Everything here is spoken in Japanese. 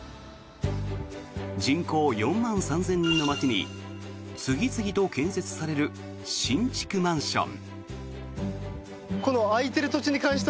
人口４万３０００人の町に次々に建設される新築マンション。